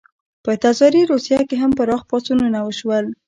په تزاري روسیه کې هم پراخ پاڅونونه وشول.